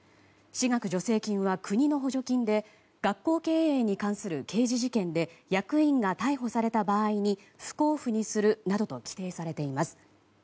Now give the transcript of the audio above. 私学助成金は国の補助金で学校経営に関する刑事事件で役員が逮捕された場合に不交付にするなどと規定されています。